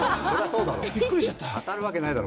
当たるわけないだろ！